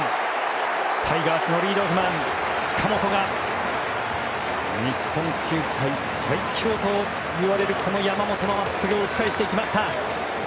タイガースのリードオフマン近本が日本球界最強といわれる山本のまっすぐを打ち返していきました。